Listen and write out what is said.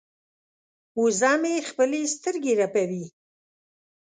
وزه مې خپلې سترګې رپوي.